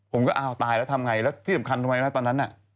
ผมก็อ้าวตายแล้วทำไงแล้วที่สำคัญทำไมนะตอนนั้นน่ะ